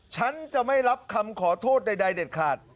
ฉันจะไม่รับคำขอโทษใดเด็ดขาด